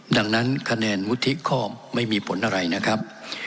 ดังนั้นคะแนนวุฒิก็ไม่มีผลอะไรนะครับ